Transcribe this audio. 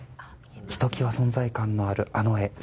ひときわ存在感のある絵。